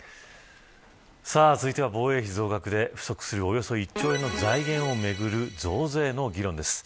続いては防衛費増額で不足するおよそ１兆円の財源をめぐる増税の議論です。